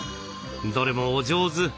どれもお上手！